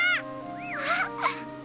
あっ！